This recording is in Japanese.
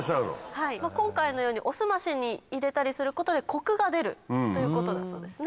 はい今回のようにおすましに入れたりすることでコクが出るということだそうです。